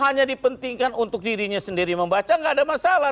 hanya dipentingkan untuk dirinya sendiri membaca tidak ada masalah